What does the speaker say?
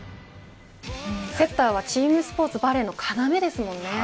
セッターはチームスポーツバレーの要ですもんね。